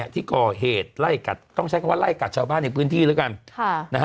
ที่ก่อเหตุไล่กัดต้องใช้คำว่าไล่กัดชาวบ้านในพื้นที่แล้วกัน